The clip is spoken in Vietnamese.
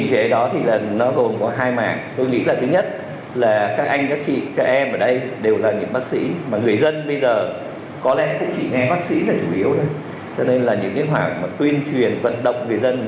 có lẽ cũng chỉ nghe bác sĩ là chủ yếu cho nên những hoạt tuyên truyền vận động người dân